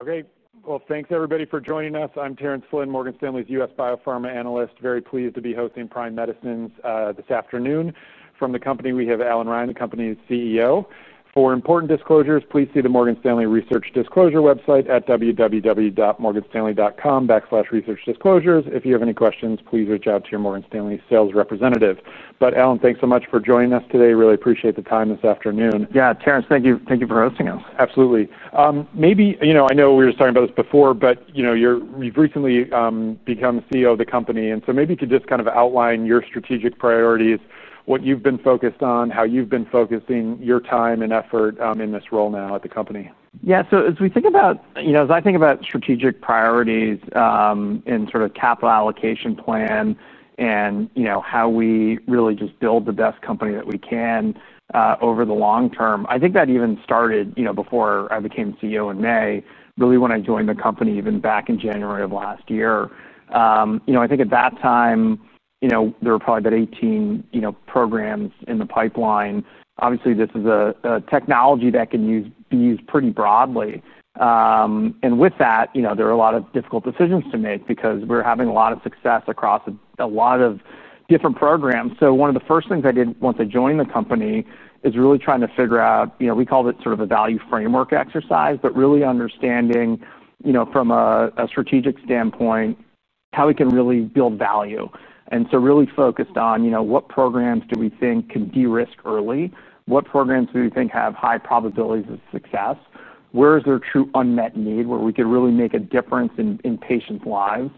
Okay, thanks everybody for joining us. I'm Terence Flynn, Morgan Stanley's US biopharma analyst, very pleased to be hosting Prime Medicine this afternoon. From the company, we have Allan Reine, the company's CEO. For important disclosures, please see the Morgan Stanley Research Disclosure website at www.morganstanley.com/researchdisclosures. If you have any questions, please reach out to your Morgan Stanley sales representative. Allan, thanks so much for joining us today. Really appreciate the time this afternoon. Yeah, Terence, thank you. Thank you for hosting us. Absolutely. I know we were talking about this before, but you've recently become CEO of the company, and maybe you could just outline your strategic priorities, what you've been focused on, how you've been focusing your time and effort in this role now at the company. Yeah, as we think about, you know, as I think about strategic priorities and sort of capital allocation plan and how we really just build the best company that we can over the long term, I think that even started before I became CEO in May, really when I joined the company even back in January of last year. I think at that time, there were probably about 18 programs in the pipeline. Obviously, this is a technology that can be used pretty broadly. With that, there are a lot of difficult decisions to make because we're having a lot of success across a lot of different programs. One of the first things I did once I joined the company is really trying to figure out, we called it sort of a value framework exercise, but really understanding from a strategic standpoint how we can really build value. I really focused on what programs do we think can de-risk early, what programs do we think have high probabilities of success, where is there true unmet need where we could really make a difference in patients' lives,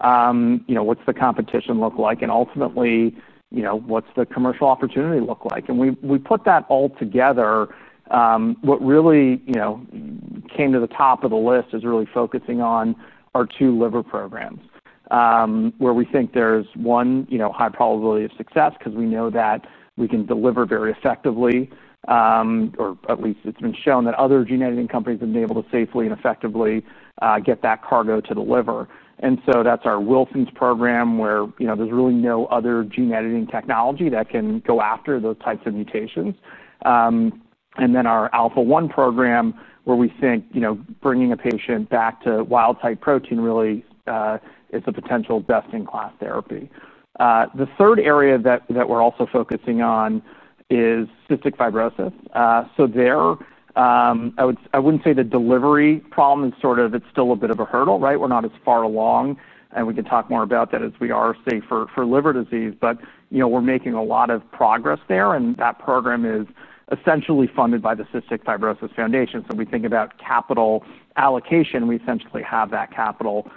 what's the competition look like, and ultimately, what's the commercial opportunity look like. We put that all together. What really came to the top of the list is really focusing on our two liver programs, where we think there's one high probability of success because we know that we can deliver very effectively, or at least it's been shown that other gene editing companies have been able to safely and effectively get that cargo to the liver. That's our Wilson’s disease program where there's really no other gene editing technology that can go after those types of mutations, and then our alpha-1 antitrypsin deficiency program where we think bringing a patient back to wild-type protein really is a potential best-in-class therapy. The third area that we're also focusing on is cystic fibrosis. There, I wouldn't say the delivery problem is sort of, it's still a bit of a hurdle, right? We're not as far along, and we could talk more about that as we are, say, for liver disease, but we're making a lot of progress there, and that program is essentially funded by the Cystic Fibrosis Foundation. When we think about capital allocation, we essentially have that capital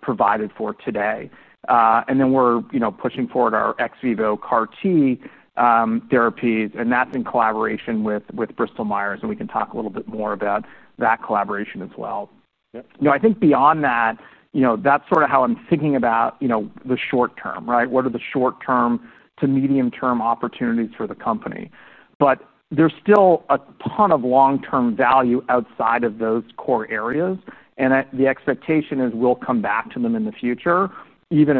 provided for today. We're pushing forward our Ex vivo CAR-T cell therapy, and that's in collaboration with Bristol Myers, and we can talk a little bit more about that collaboration as well. I think beyond that, that's sort of how I'm thinking about the short term, right? What are the short-term to medium-term opportunities for the company? There's still a ton of long-term value outside of those core areas, and the expectation is we'll come back to them in the future, either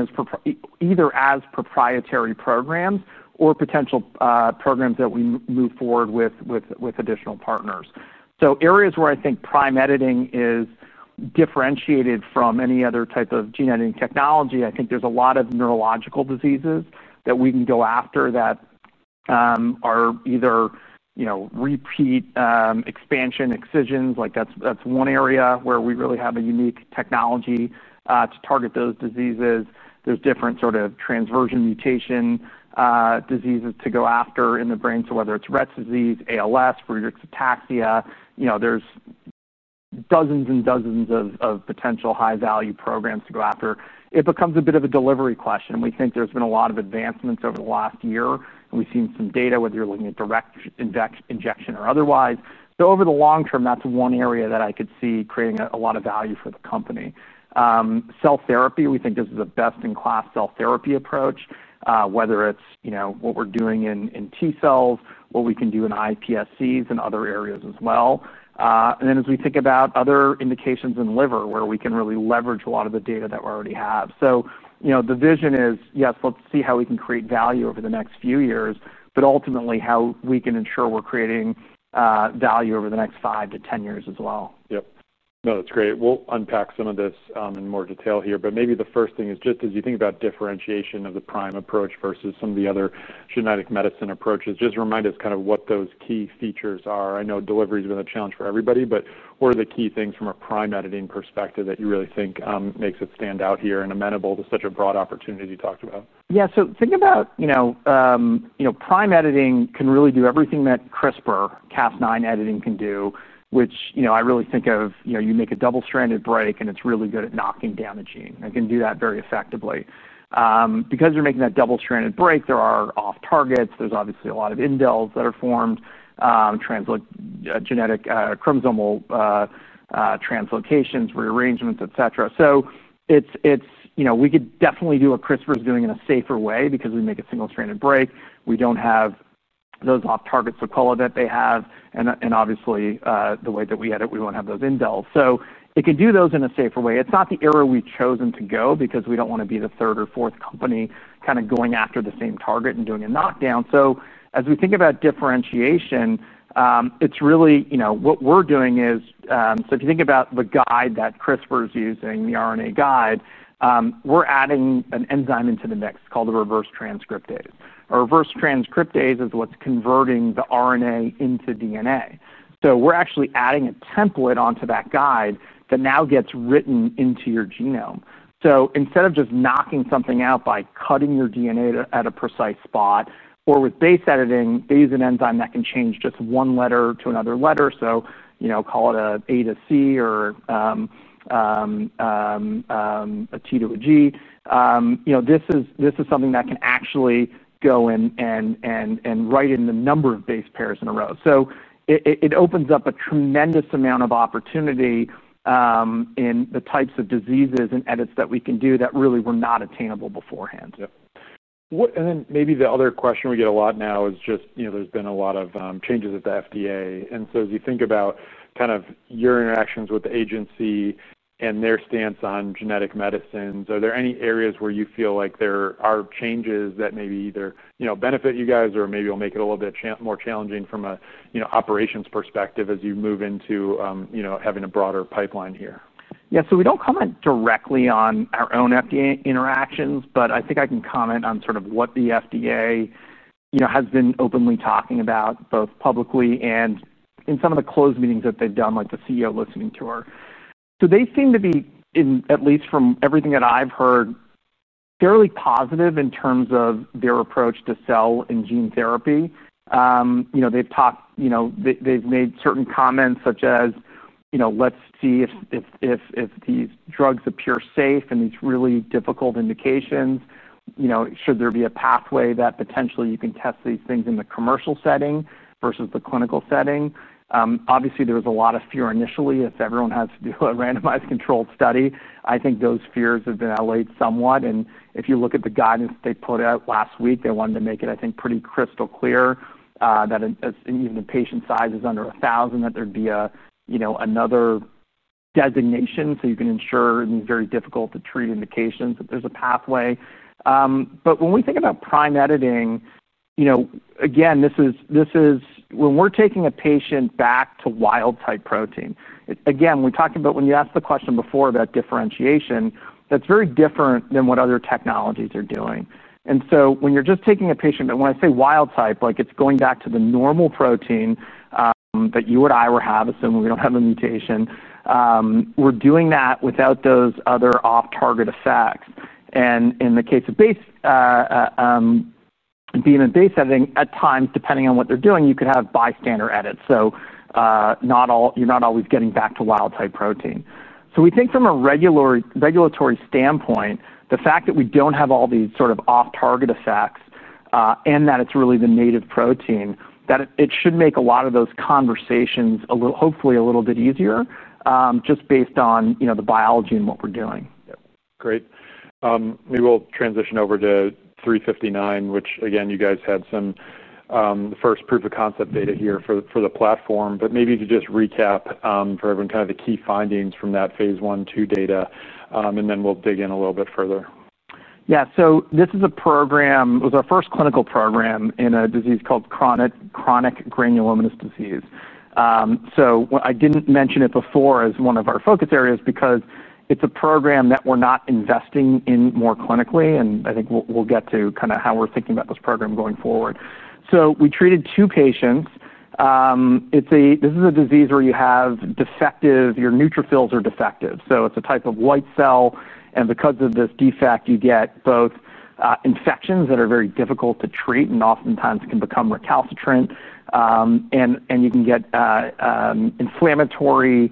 as proprietary programs or potential programs that we move forward with additional partners. Areas where I think Prime Editing is differentiated from any other type of gene editing technology, I think there's a lot of neurological diseases that we can go after that are either repeat expansion excisions. That's one area where we really have a unique technology to target those diseases. There's different transversion mutation diseases to go after in the brain. Whether it's Rett's disease, ALS, Friedreich's Ataxia, there's dozens and dozens of potential high-value programs to go after. It becomes a bit of a delivery question. We think there's been a lot of advancements over the last year, and we've seen some data, whether you're looking at direct injection or otherwise. Over the long term, that's one area that I could see creating a lot of value for the company. Cell therapy, we think this is the best-in-class cell therapy approach, whether it's what we're doing in T cells, what we can do in hPSCs and other areas as well. As we think about other indications in liver where we can really leverage a lot of the data that we already have, the vision is, yes, let's see how we can create value over the next few years, but ultimately how we can ensure we're creating value over the next five to ten years as well. That's great. We'll unpack some of this in more detail here, but maybe the first thing is just as you think about differentiation of the Prime approach versus some of the other genetic medicine approaches, just remind us kind of what those key features are. I know delivery has been a challenge for everybody, but what are the key things from a Prime Editing perspective that you really think makes it stand out here and amenable to such a broad opportunity you talked about? Yeah, so think about, you know, Prime Editing can really do everything that CRISPR-Cas9 editing can do, which, you know, I really think of, you know, you make a double-stranded break and it's really good at knocking down a gene. It can do that very effectively. Because you're making that double-stranded break, there are off-target effects. There's obviously a lot of indels that are formed, translocations, genetic, chromosomal translocations, rearrangements, etc. We could definitely do what CRISPR is doing in a safer way because we make a single-stranded break. We don't have those off-target effects that they have. Obviously, the way that we edit, we won't have those indels. It could do those in a safer way. It's not the area we chose to go because we don't want to be the third or fourth company kind of going after the same target and doing a knockdown. As we think about differentiation, it's really, you know, what we're doing is, so if you think about the guide that CRISPR is using, the RNA guide, we're adding an enzyme into the mix called a reverse transcriptase. A reverse transcriptase is what's converting the RNA into DNA. We're actually adding a template onto that guide that now gets written into your genome. Instead of just knocking something out by cutting your DNA at a precise spot, or with base editing, they use an enzyme that can change just one letter to another letter, call it an A to C or a T to a G. This is something that can actually go in and write in the number of base pairs in a row. It opens up a tremendous amount of opportunity in the types of diseases and edits that we can do that really were not attainable beforehand. What, and then maybe the other question we get a lot now is just, you know, there's been a lot of changes at the FDA. As you think about kind of your interactions with the agency and their stance on genetic medicines, are there any areas where you feel like there are changes that maybe either, you know, benefit you guys or maybe will make it a little bit more challenging from a, you know, operations perspective as you move into having a broader pipeline here? Yeah, so we don't comment directly on our own FDA interactions, but I think I can comment on sort of what the FDA has been openly talking about both publicly and in some of the closed meetings that they've done, like the CEO listening tour. They seem to be, at least from everything that I've heard, fairly positive in terms of their approach to cell and gene therapy. They've made certain comments such as, let's see if these drugs appear safe in these really difficult indications, should there be a pathway that potentially you can test these things in the commercial setting versus the clinical setting? Obviously, there was a lot of fear initially if everyone has to do a randomized controlled study. I think those fears have been allayed somewhat. If you look at the guidance that they put out last week, they wanted to make it, I think, pretty crystal clear that even if the patient size is under 1,000, that there'd be another designation so you can ensure in very difficult to treat indications that there's a pathway. When we think about Prime Editing, again, this is when we're taking a patient back to wild-type protein. We talked about when you asked the question before about differentiation, that's very different than what other technologies are doing. When I say wild-type, it's going back to the normal protein that you and I would have, assuming we don't have a mutation. We're doing that without those other off-target effects. In the case of base editing, at times, depending on what they're doing, you could have bystander edits. You're not always getting back to wild-type protein. We think from a regulatory standpoint, the fact that we don't have all these off-target effects, and that it's really the native protein, should make a lot of those conversations a little, hopefully, a little bit easier, just based on the biology and what we're doing. Great. Maybe we'll transition over to 359, which again, you guys had some of the first proof-of-concept data here for the platform, but maybe to just recap for everyone kind of the key findings from that phase one/two data, and then we'll dig in a little bit further. Yeah, so this is a program, it was our first clinical program in a disease called chronic granulomatous disease. I didn't mention it before as one of our focus areas because it's a program that we're not investing in more clinically, and I think we'll get to kind of how we're thinking about this program going forward. We treated two patients. This is a disease where your neutrophils are defective. It's a type of white cell, and because of this defect, you get infections that are very difficult to treat and oftentimes can become recalcitrant. You can get inflammatory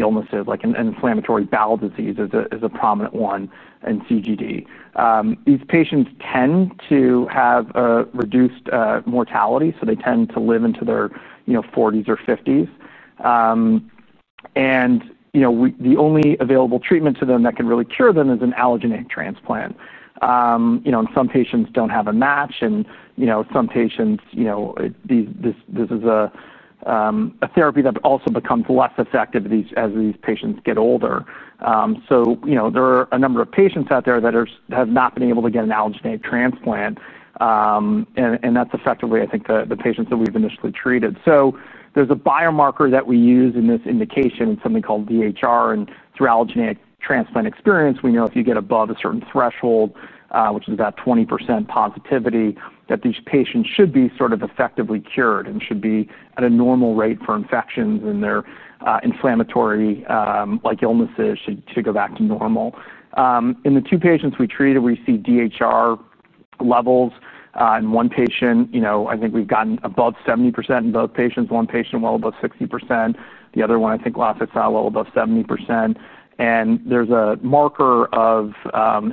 illnesses, like inflammatory bowel disease is a prominent one in chronic granulomatous disease. These patients tend to have a reduced mortality, so they tend to live into their 40s or 50s. The only available treatment to them that can really cure them is an allogeneic transplant. Some patients don't have a match, and this is a therapy that also becomes less effective as these patients get older. There are a number of patients out there that have not been able to get an allogeneic transplant, and that's effectively, I think, the patients that we've initially treated. There's a biomarker that we use in this indication, it's something called DHR, and through allogeneic transplant experience, we know if you get above a certain threshold, which is about 20% positivity, that these patients should be sort of effectively cured and should be at a normal rate for infections, and their inflammatory illnesses should go back to normal. In the two patients we treated, we see DHR levels. In one patient, I think we've gotten above 70% in both patients. One patient well above 60%. The other one, I think, last I saw, well above 70%. There's a marker of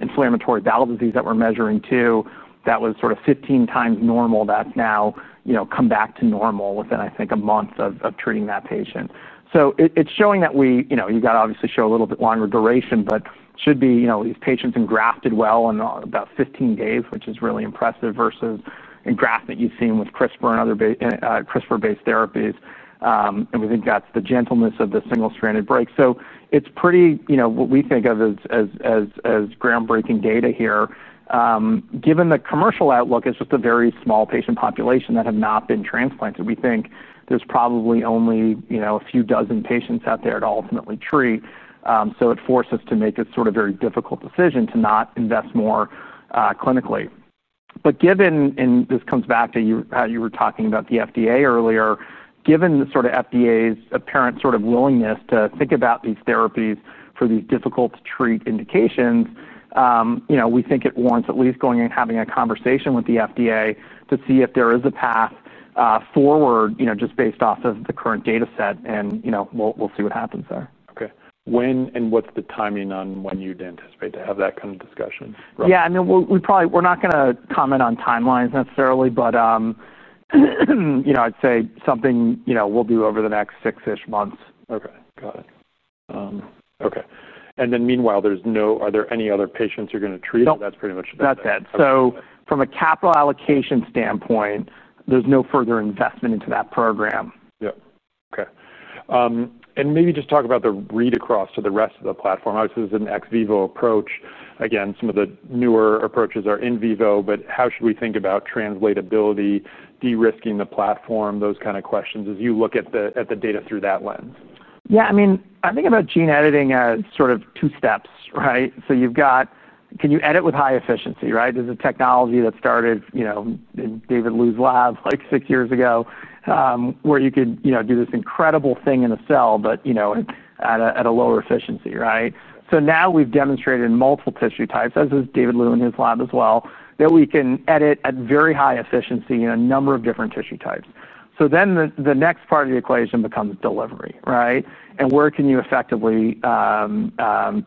inflammatory bowel disease that we're measuring too that was sort of 15x normal that now has come back to normal within, I think, a month of treating that patient. It's showing that we, you know, you've got to obviously show a little bit longer duration, but these patients engrafted well in about 15 days, which is really impressive versus engraftment you've seen with CRISPR and other CRISPR-based therapies. We think that's the gentleness of the single-stranded break. It's pretty, what we think of as groundbreaking data here. Given the commercial outlook, it's just a very small patient population that have not been transplanted. We think there's probably only, you know, a few dozen patients out there to ultimately treat. It forced us to make a sort of very difficult decision to not invest more, clinically. Given, and this comes back to how you were talking about the FDA earlier, given the sort of FDA's apparent sort of willingness to think about these therapies for these difficult to treat indications, we think it warrants at least going and having a conversation with the FDA to see if there is a path forward, you know, just based off of the current data set. We'll see what happens there. Okay. When and what's the timing on when you'd anticipate to have that kind of discussion? Yeah, I mean, we're not going to comment on timelines necessarily, but I'd say something we'll do over the next six-ish months. Okay. Got it. Okay. Are there any other patients you're going to treat? That's pretty much it. That's it. From a capital allocation standpoint, there's no further investment into that program. Okay, and maybe just talk about the read across to the rest of the platform. Obviously, this is an ex vivo approach. Again, some of the newer approaches are in vivo, but how should we think about translatability, de-risking the platform, those kind of questions as you look at the data through that lens? Yeah, I mean, I think about gene editing as sort of two steps, right? You've got, can you edit with high efficiency, right? There's a technology that started in David Liu's lab like six years ago, where you could do this incredible thing in the cell, but at a lower efficiency, right? We've demonstrated in multiple tissue types, as was David Liu and his lab as well, that we can edit at very high efficiency in a number of different tissue types. The next part of the equation becomes delivery, right? Where can you effectively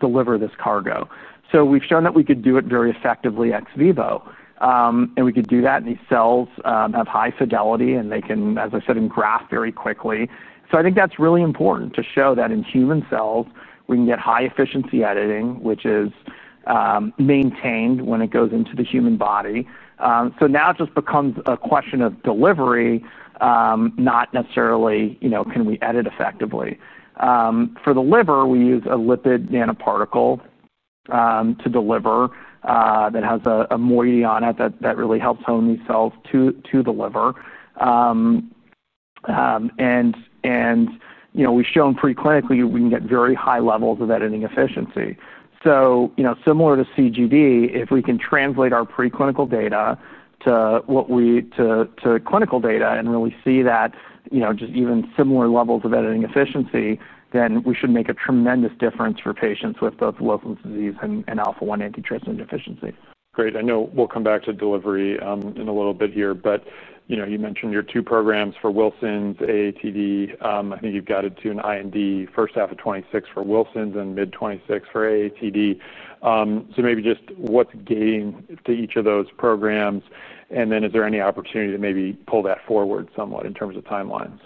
deliver this cargo? We've shown that we could do it very effectively ex vivo, and we could do that in these cells, have high fidelity, and they can, as I said, engraft very quickly. I think that's really important to show that in human cells, we can get high efficiency editing, which is maintained when it goes into the human body. Now it just becomes a question of delivery, not necessarily can we edit effectively. For the liver, we use a lipid nanoparticle to deliver, that has a moiety on it that really helps hone these cells to the liver. We've shown preclinically, we can get very high levels of editing efficiency. Similar to chronic granulomatous disease, if we can translate our preclinical data to clinical data and really see that, just even similar levels of editing efficiency, then we should make a tremendous difference for patients with both Wilson's disease and alpha-1 antitrypsin deficiency. Great. I know we'll come back to delivery in a little bit here, but you mentioned your two programs for Wilson’s, AATD. I think you've got it to an IND first half of 2026 for Wilson’s and mid 2026 for AATD. Maybe just what's gained to each of those programs, and then is there any opportunity to maybe pull that forward somewhat in terms of timelines?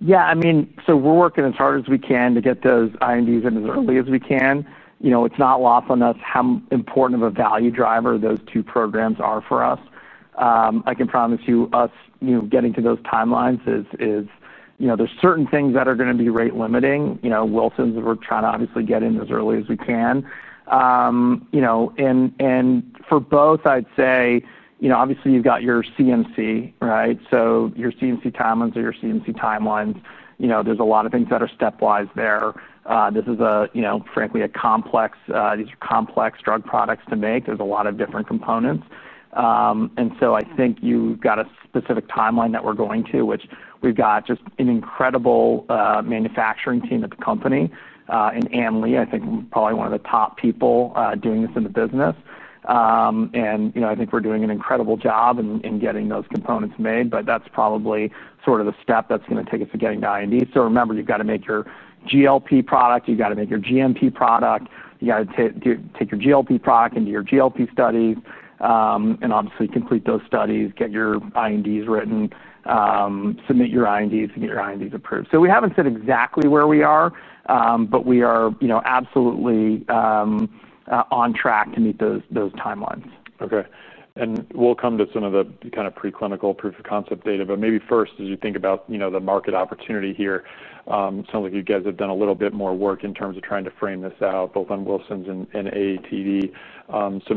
Yeah, I mean, we're working as hard as we can to get those INDs in as early as we can. It's not lost on us how important of a value driver those two programs are for us. I can promise you, getting to those timelines is, you know, there's certain things that are going to be rate limiting. Wilson's, we're trying to obviously get in as early as we can. For both, I'd say, obviously you've got your CMC, right? Your CMC timelines are your CMC timelines. There's a lot of things that are stepwise there. This is, frankly, a complex, these are complex drug products to make. There's a lot of different components. I think you've got a specific timeline that we're going to, which we've got just an incredible manufacturing team at the company, and Ann Lee, I think, probably one of the top people doing this in the business. I think we're doing an incredible job in getting those components made, but that's probably the step that's going to take us to getting to IND. Remember, you've got to make your GLP product. You've got to make your GMP product. You've got to take your GLP product into your GLP studies and obviously complete those studies, get your INDs written, submit your INDs, and get your INDs approved. We haven't said exactly where we are, but we are absolutely on track to meet those timelines. Okay. We'll come to some of the kind of preclinical proof-of-concept data, but maybe first, as you think about the market opportunity here, it sounds like you guys have done a little bit more work in terms of trying to frame this out both on Wilson’s and AATD.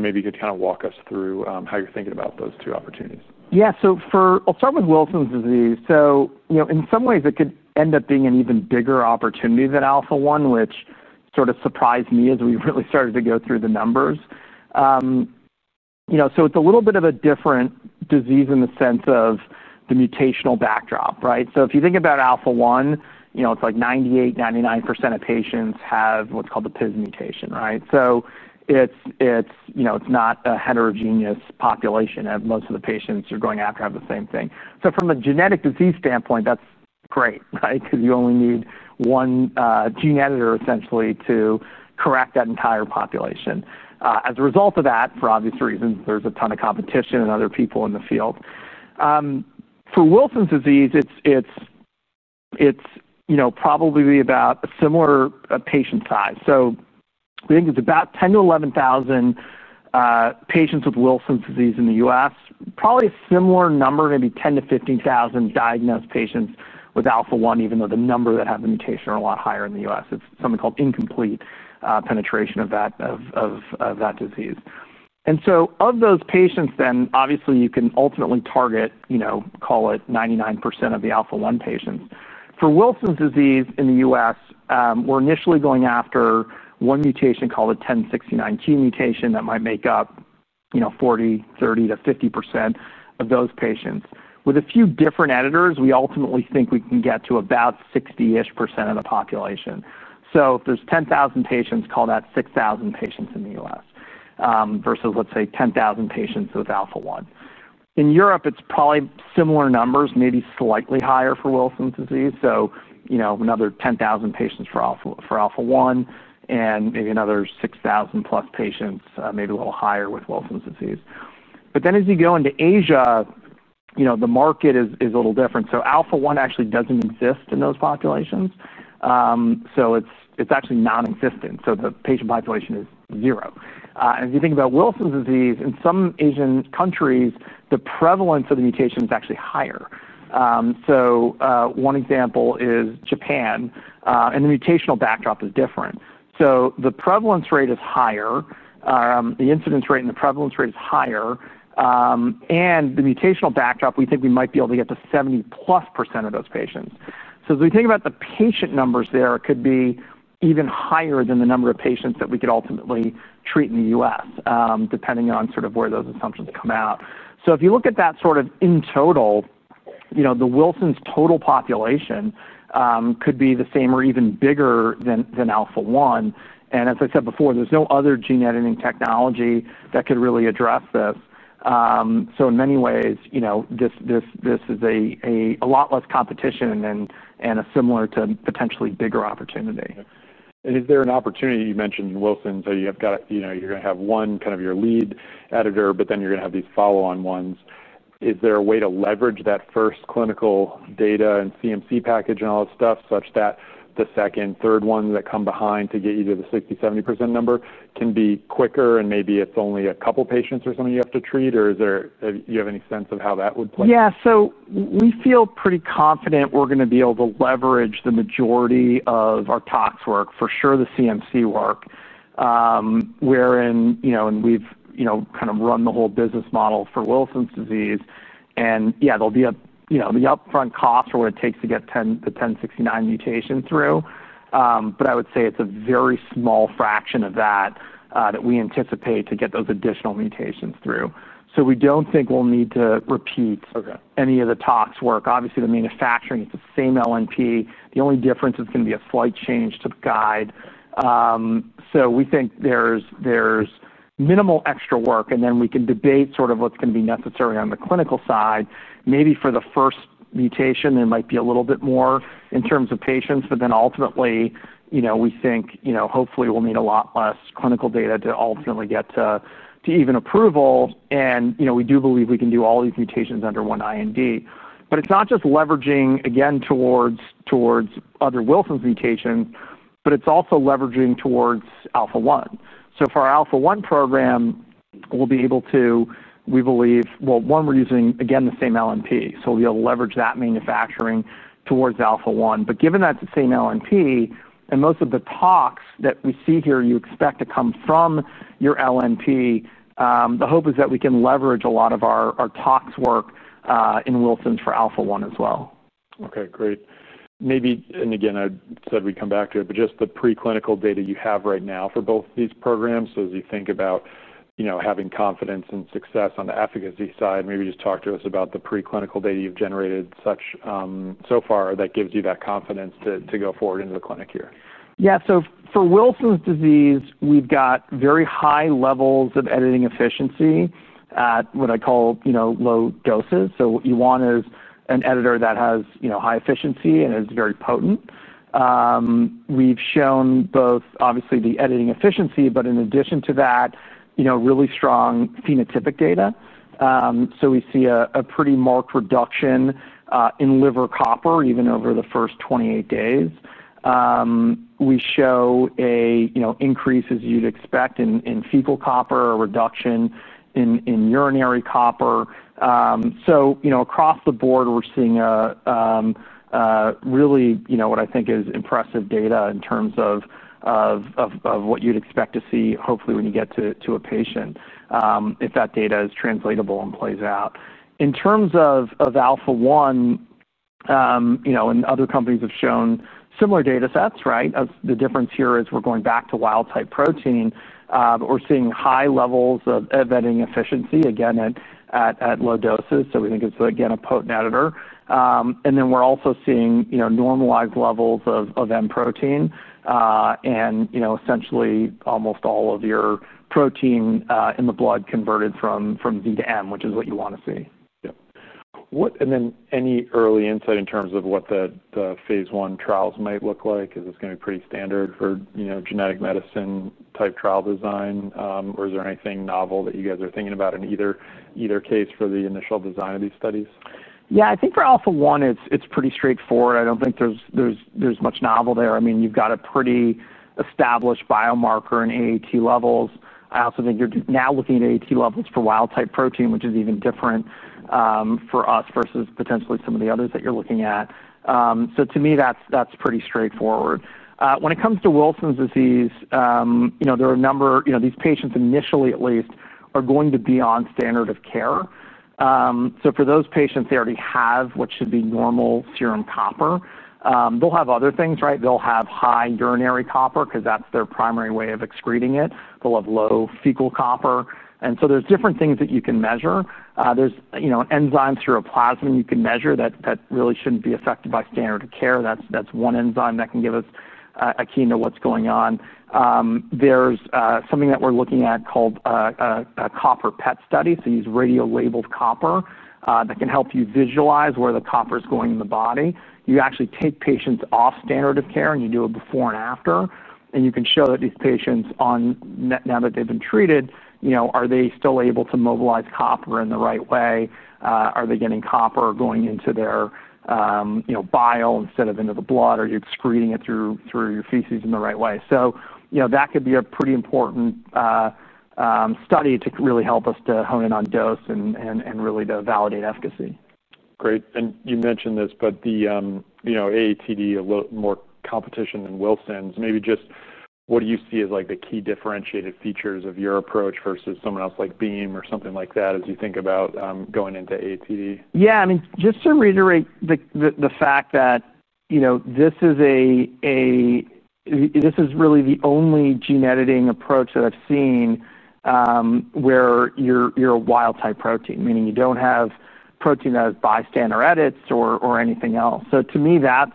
Maybe you could kind of walk us through how you're thinking about those two opportunities. Yeah, so for, I'll start with Wilson's disease. In some ways, it could end up being an even bigger opportunity than alpha-1, which sort of surprised me as we really started to go through the numbers. It's a little bit of a different disease in the sense of the mutational backdrop, right? If you think about alpha-1, it's like 98%, 99% of patients have what's called the PIS mutation, right? It's not a heterogeneous population; most of the patients you're going after have the same thing. From a genetic disease standpoint, that's great, right? Because you only need one gene editor essentially to correct that entire population. As a result of that, for obvious reasons, there's a ton of competition and other people in the field. For Wilson's disease, it's probably about a similar patient size. I think it's about 10,000-11,000 patients with Wilson's disease in the U.S. Probably a similar number, maybe 10,000-15,000 diagnosed patients with alpha-1, even though the number that have the mutation are a lot higher in the U.S. It's something called incomplete penetrance of that disease. Of those patients, then obviously you can ultimately target, call it 99% of the alpha-1 patients. For Wilson's disease in the U.S., we're initially going after one mutation called the H1069Q mutation that might make up 40%, 30%-50% of those patients. With a few different editors, we ultimately think we can get to about 60% of the population. If there's 10,000 patients, call that 6,000 patients in the U.S., versus let's say 10,000 patients with alpha-1. In Europe, it's probably similar numbers, maybe slightly higher for Wilson's disease. Another 10,000 patients for alpha-1 and maybe another 6,000 plus patients, maybe a little higher with Wilson's disease. As you go into Asia, the market is a little different. alpha-1 actually doesn't exist in those populations, so it's actually non-existent. The patient population is zero. If you think about Wilson's disease in some Asian countries, the prevalence of the mutation is actually higher. One example is Japan, and the mutational backdrop is different. The prevalence rate is higher. The incidence rate and the prevalence rate is higher. With the mutational backdrop, we think we might be able to get to 70%+ of those patients. As we think about the patient numbers there, it could be even higher than the number of patients that we could ultimately treat in the U.S., depending on where those assumptions come out. If you look at that in total, the Wilson’s total population could be the same or even bigger than alpha-1. As I said before, there’s no other gene editing technology that could really address this. In many ways, this is a lot less competition and a similar to potentially bigger opportunity. Is there an opportunity? You mentioned Wilson’s, so you’ve got, you know, you’re going to have one kind of your lead editor, but then you’re going to have these follow-on ones. Is there a way to leverage that first clinical data and CMC package and all that stuff such that the second, third ones that come behind to get you to the 60%-70% number can be quicker and maybe it’s only a couple patients or something you have to treat, or do you have any sense of how that would play? Yeah, so we feel pretty confident we're going to be able to leverage the majority of our tox work, for sure the CMC work, wherein, you know, we've kind of run the whole business model for Wilson’s disease. There'll be the upfront costs, which are what it takes to get the H1069Q mutation through, but I would say it's a very small fraction of that that we anticipate to get those additional mutations through. We don't think we'll need to repeat any of the tox work. Obviously, the manufacturing, it's the same LNP. The only difference is it's going to be a slight change to the guide. We think there's minimal extra work, and then we can debate sort of what's going to be necessary on the clinical side. Maybe for the first mutation, there might be a little bit more in terms of patients, but ultimately, we think, hopefully, we'll need a lot less clinical data to ultimately get to even approval. We do believe we can do all these mutations under one IND. It's not just leveraging, again, towards other Wilson’s mutations, but it's also leveraging towards alpha-1. For our alpha-1 program, we believe, well, one, we're using, again, the same LNP, so we'll be able to leverage that manufacturing towards alpha-1. Given that it's the same LNP and most of the tox that we see here you expect to come from your LNP, the hope is that we can leverage a lot of our tox work in Wilson’s for alpha-1 as well. Okay, great. Maybe, and again, I said we'd come back to it, just the preclinical data you have right now for both of these programs. As you think about having confidence and success on the efficacy side, maybe just talk to us about the preclinical data you've generated so far that gives you that confidence to go forward into the clinic here. Yeah, so for Wilson’s disease, we’ve got very high levels of editing efficiency at what I call, you know, low doses. What you want is an editor that has, you know, high efficiency and is very potent. We’ve shown both, obviously, the editing efficiency, but in addition to that, you know, really strong phenotypic data. We see a pretty marked reduction in liver copper, even over the first 28 days. We show an increase, as you’d expect, in fecal copper, a reduction in urinary copper. Across the board, we’re seeing really, you know, what I think is impressive data in terms of what you’d expect to see, hopefully, when you get to a patient, if that data is translatable and plays out. In terms of alpha-1, you know, and other companies have shown similar data sets, right? The difference here is we’re going back to wild-type protein. We’re seeing high levels of editing efficiency, again, at low doses. We think it’s, again, a potent editor. We’re also seeing, you know, normalized levels of M protein, and, you know, essentially almost all of your protein in the blood converted from V to M, which is what you want to see. Yeah. Any early insight in terms of what the phase one trials might look like? Is this going to be pretty standard for, you know, genetic medicine type trial design, or is there anything novel that you guys are thinking about in either case for the initial design of these studies? Yeah, I think for alpha-1, it's pretty straightforward. I don't think there's much novel there. I mean, you've got a pretty established biomarker in AAT levels. I also think you're now looking at AAT levels for wild-type protein, which is even different for us versus potentially some of the others that you're looking at. To me, that's pretty straightforward. When it comes to Wilson’s disease, there are a number, you know, these patients initially, at least, are going to be on standard of care. For those patients, they already have what should be normal serum copper. They'll have other things, right? They'll have high urinary copper because that's their primary way of excreting it. They'll have low fecal copper. There are different things that you can measure. There's enzymes through a plasma you can measure that really shouldn't be affected by standard of care. That's one enzyme that can give us a key to what's going on. There's something that we're looking at called a copper PET study. You use radio-labeled copper that can help you visualize where the copper is going in the body. You actually take patients off standard of care and you do a before and after. You can show that these patients, now that they've been treated, are they still able to mobilize copper in the right way? Are they getting copper going into their bile instead of into the blood? Are you excreting it through your feces in the right way? That could be a pretty important study to really help us to hone in on dose and really to validate efficacy. Great. You mentioned this, but the AATD, a little more competition than Wilson's. Maybe just what do you see as the key differentiated features of your approach versus someone else like Beam or something like that as you think about going into AATD? Yeah, just to reiterate the fact that, you know, this is really the only gene editing approach that I've seen, where you're a wild-type protein, meaning you don't have protein that has bystander edits or anything else. To me, that's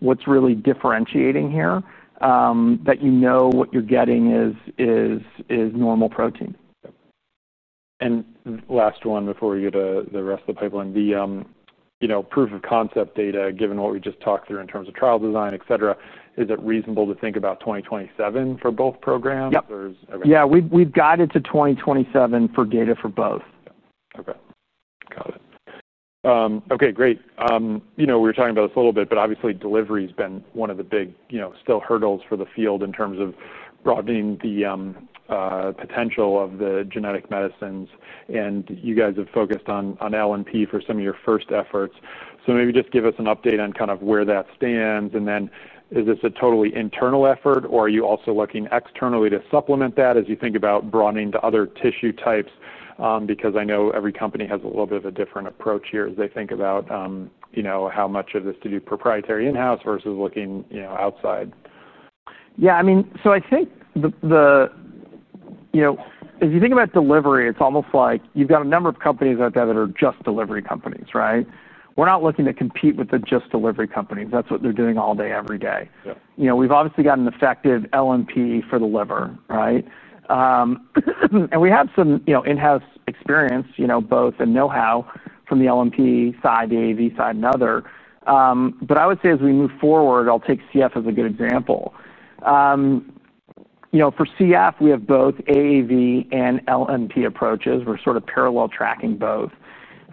what's really differentiating here, that you know what you're getting is normal protein. Last one before you go to the rest of the paper and the proof-of-concept data, given what we just talked through in terms of trial design, et cetera, is it reasonable to think about 2027 for both programs? Yeah, we've got it to 2027 for data for both. Okay. Got it. Okay, great. You know, we were talking about this a little bit, but obviously delivery has been one of the big, you know, still hurdles for the field in terms of broadening the potential of the genetic medicines. You guys have focused on LNP for some of your first efforts. Maybe just give us an update on kind of where that stands. Is this a totally internal effort or are you also looking externally to supplement that as you think about broadening to other tissue types? I know every company has a little bit of a different approach here as they think about, you know, how much of this to do proprietary in-house versus looking outside. Yeah, I mean, so I think as you think about delivery, it's almost like you've got a number of companies out there that are just delivery companies, right? We're not looking to compete with the just delivery companies. That's what they're doing all day, every day. We've obviously got an effective LNP for the liver, right? We have some in-house experience, both the know-how from the LNP side, the AAV side, and other. I would say as we move forward, I'll take CF as a good example. For CF, we have both AAV and LNP approaches. We're sort of parallel tracking both.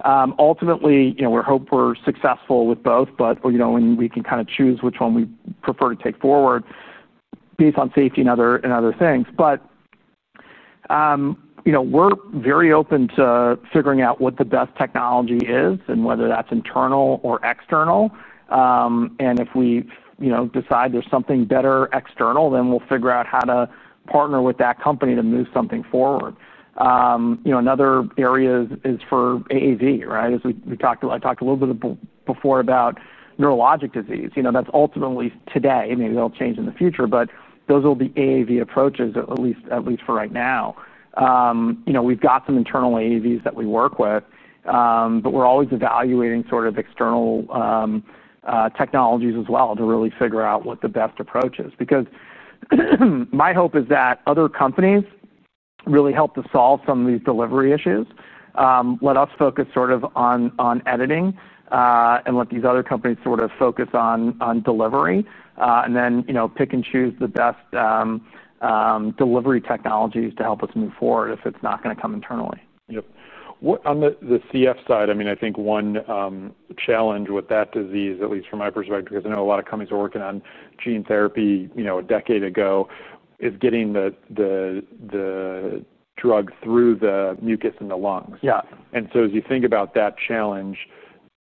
Ultimately, we hope we're successful with both, but when we can kind of choose which one we prefer to take forward based on safety and other things. We're very open to figuring out what the best technology is and whether that's internal or external. If we decide there's something better external, then we'll figure out how to partner with that company to move something forward. Another area is for AAV, right? As we talked, I talked a little bit before about neurologic disease. That's ultimately today. Maybe that'll change in the future, but those will be AAV approaches, at least for right now. We've got some internal AAVs that we work with, but we're always evaluating external technologies as well to really figure out what the best approach is. My hope is that other companies really help to solve some of these delivery issues, let us focus on editing, and let these other companies focus on delivery, and then pick and choose the best delivery technologies to help us move forward if it's not going to come internally. Yep. On the CF side, I mean, I think one challenge with that disease, at least from my perspective, because I know a lot of companies are working on gene therapy, you know, a decade ago, is getting the drug through the mucus in the lungs. Yeah. As you think about that challenge,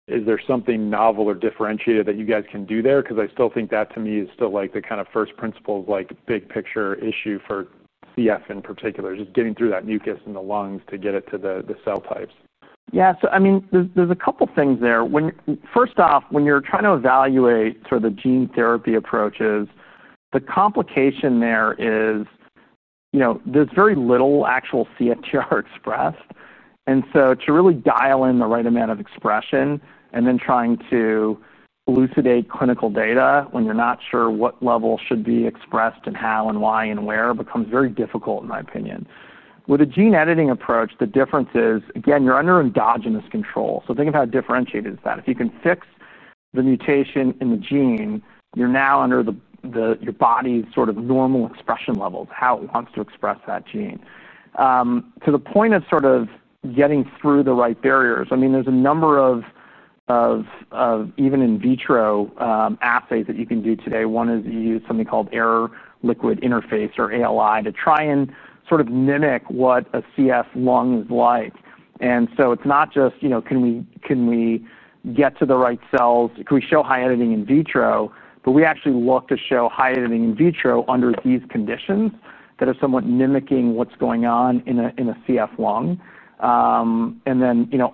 is there something novel or differentiated that you guys can do there? I still think that to me is still like the kind of first principle of like big picture issue for CF in particular, just getting through that mucus in the lungs to get it to the cell types. Yeah, so I mean, there's a couple of things there. First off, when you're trying to evaluate sort of the gene therapy approaches, the complication there is, you know, there's very little actual CNTR expressed. To really dial in the right amount of expression and then trying to elucidate clinical data when you're not sure what level should be expressed and how and why and where becomes very difficult in my opinion. With a gene editing approach, the difference is, again, you're under endogenous control. Think of how differentiated is that. If you can fix the mutation in the gene, you're now under your body's sort of normal expression levels, how it wants to express that gene. To the point of sort of getting through the right barriers, I mean, there's a number of even in vitro assays that you can do today. One is you use something called air liquid interface, or ALI to try and sort of mimic what a CF lung is like. It's not just, you know, can we get to the right cells? Can we show high editing in vitro? We actually look to show high editing in vitro under these conditions that are somewhat mimicking what's going on in a CF lung.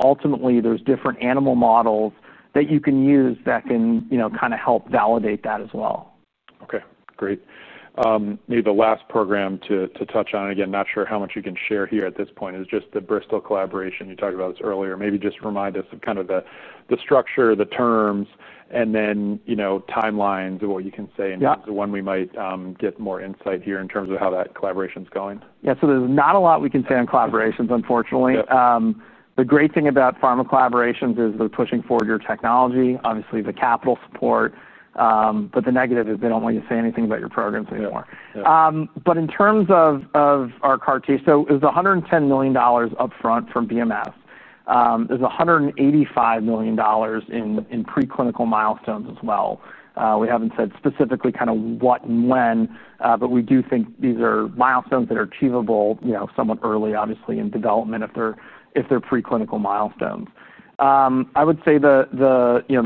Ultimately, there's different animal models that you can use that can kind of help validate that as well. Okay, great. Maybe the last program to touch on, again, not sure how much you can share here at this point, is just the Bristol collaboration. You talked about this earlier. Maybe just remind us of the structure, the terms, and then, you know, timelines of what you can say. Is there one we might get more insight here in terms of how that collaboration is going? Yeah, so there's not a lot we can say on collaborations, unfortunately. The great thing about pharma collaborations is they're pushing forward your technology, obviously the capital support. The negative is they don't want you to say anything about your programs anymore. In terms of our CAR-T, it was $110 million upfront from BMS. There's $185 million in preclinical milestones as well. We haven't said specifically kind of what and when, but we do think these are milestones that are achievable, you know, somewhat early, obviously, in development if they're preclinical milestones. I would say the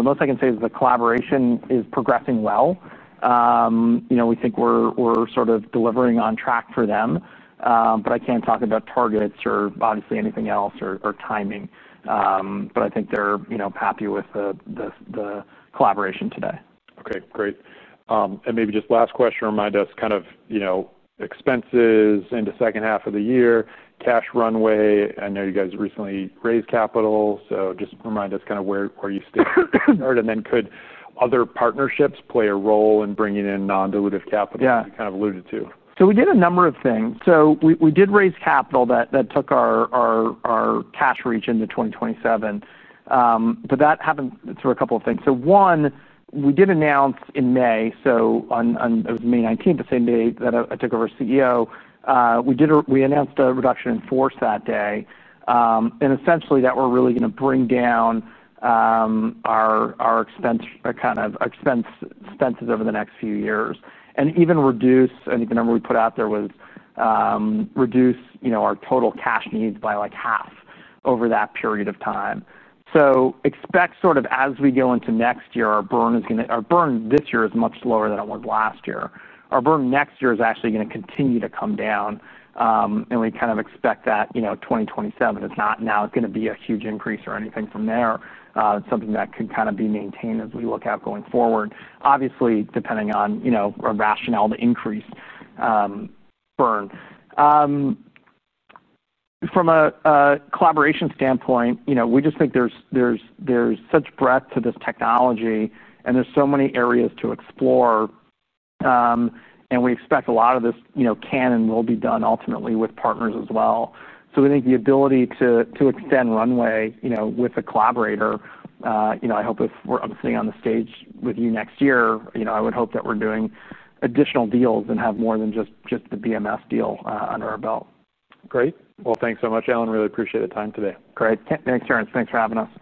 most I can say is the collaboration is progressing well. We think we're sort of delivering on track for them. I can't talk about targets or obviously anything else or timing. I think they're happy with the collaboration today. Okay, great. Maybe just last question, remind us kind of, you know, expenses in the second half of the year, cash runway. I know you guys recently raised capital, so just remind us kind of where you started and then could other partnerships play a role in bringing in non-dilutive capital that you kind of alluded to. Yeah, we did a number of things. We did raise capital that took our cash reach into 2027. That happened through a couple of things. One, we did announce in May, it was May 19th, the same day that I took over as CEO. We announced a reduction in force that day. Essentially, we're really going to bring down our expenses over the next few years and even reduce, I think the number we put out there was, reduce our total cash needs by like half over that period of time. Expect as we go into next year, our burn is going to, our burn this year is much lower than it was last year. Our burn next year is actually going to continue to come down. We kind of expect that, 2027, if not now, it's not going to be a huge increase or anything from there. It's something that could kind of be maintained as we look out going forward, obviously depending on our rationale to increase burn. From a collaboration standpoint, we just think there's such breadth to this technology and there's so many areas to explore. We expect a lot of this can and will be done ultimately with partners as well. I think the ability to extend runway with a collaborator, I hope if we're up to stay on the stage with you next year, I would hope that we're doing additional deals and have more than just the BMS deal under our belt. Great. Thank you so much, Allan. Really appreciate the time today. Great. Thanks, Terence. Thanks for having us.